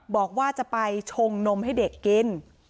บอกว่าจะไปชงนมให้เด็กกิน